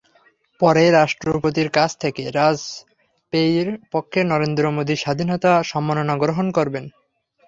পরে রাষ্ট্রপতির কাছ থেকে বাজপেয়ির পক্ষে নরেন্দ্র মোদি স্বাধীনতা সম্মাননা গ্রহণ করবেন।